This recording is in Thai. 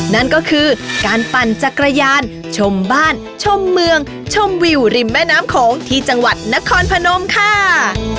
นั่นก็คือการปั่นจักรยานชมบ้านชมเมืองชมวิวริมแม่น้ำโขงที่จังหวัดนครพนมค่ะ